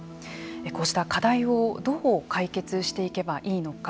こうした課題をどう解決していけばいいのか。